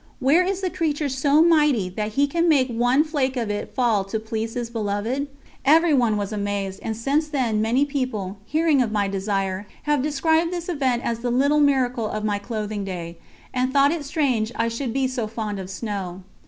Where is the creature so mighty that he can make one flake of it fall to please his beloved? Everyone was amazed, and since then many people, hearing of my desire, have described this event as "the little miracle" of my clothing day, and thought it strange I should be so fond of snow.